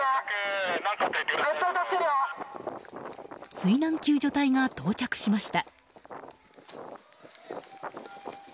水難救助隊が到着しました。